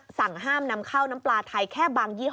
แค่บางยี่หวังส่วนทางกระทรวงพาณิชย์ก็ได้ตักเตือนไปแล้ว